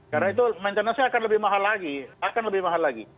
karena itu maintenance nya akan lebih mahal lagi